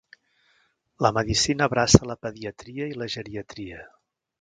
La medicina abraça la pediatria i la geriatria.